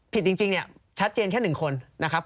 จริงเนี่ยชัดเจนแค่๑คนนะครับ